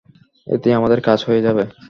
এতেই আমাদের কাজ হয়ে যাবে।